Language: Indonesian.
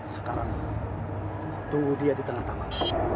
sekarang tunggu dia di tengah taman